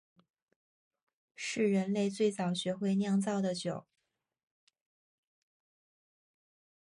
是人类最早学会酿造的酒。